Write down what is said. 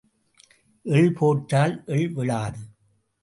எள் போட்டால் எள் விழாது.